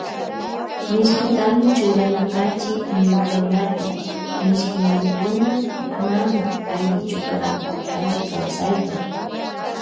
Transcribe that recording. Mishkitami churana kanchi mikunapi mishki murukuna mana allichukan alli kawsaypa.